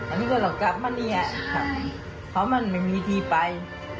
อันนี้ก็ต้องกลับมาเนี่ยเพราะมันไม่มีที่ไป